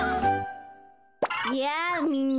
いやみんな。